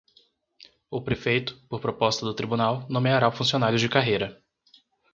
O prefeito, por proposta do Tribunal, nomeará funcionários de carreira.